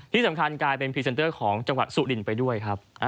ที่สำคัญกลายเป็นพรีเซนเตอร์ของจังหวัดสุรินทร์ไปด้วยครับ